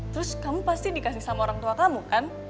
terus kamu pasti dikasih sama orang tua kamu kan